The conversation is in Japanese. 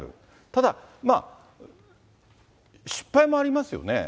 ただ、失敗もありますよね。